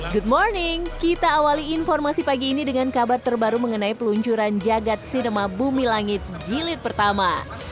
good morning kita awali informasi pagi ini dengan kabar terbaru mengenai peluncuran jagad sinema bumi langit jilid pertama